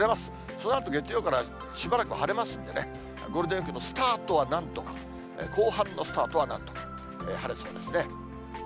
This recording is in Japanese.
そのあと月曜からしばらく晴れますんでね、ゴールデンウィークのスタートはなんとか、後半のスタートはなんとか晴れそうですね。